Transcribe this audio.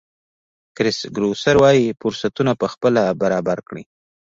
کرېس ګروسر وایي فرصتونه پخپله برابر کړئ.